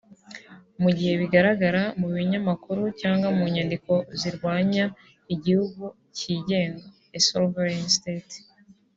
mu gihe bigaragara mu binyamakuru cyangwa mu nyandiko zirwanya igihugu kigenga (a sovereign state)